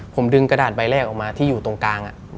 ผมดึงกระดาษใบแรกออกมาที่อยู่ตรงกลาง